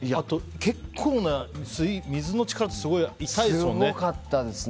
結構な水の力ってすごい痛いですもんね。